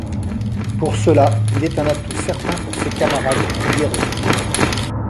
Pour cela, il est un atout certain pour ses camarades Gears.